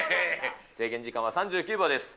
制限時間は３９秒です。